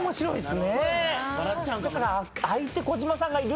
だから。